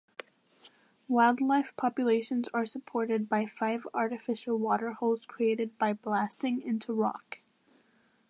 Wildlife populations are supported by five artificial waterholes created by blasting into rock.